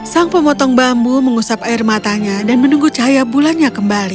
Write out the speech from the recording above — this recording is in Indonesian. sang pemotong bambu mengusap air matanya dan menunggu cahaya bulannya kembali